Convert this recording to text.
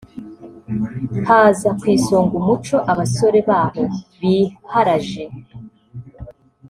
haza ku isonga umuco abasore baho biharaje